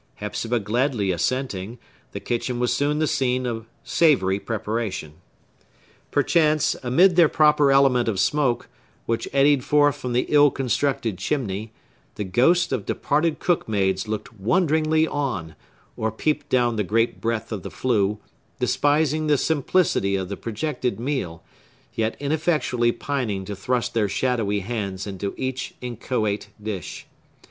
Hepzibah gladly assenting, the kitchen was soon the scene of savory preparation. Perchance, amid their proper element of smoke, which eddied forth from the ill constructed chimney, the ghosts of departed cook maids looked wonderingly on, or peeped down the great breadth of the flue, despising the simplicity of the projected meal, yet ineffectually pining to thrust their shadowy hands into each inchoate dish.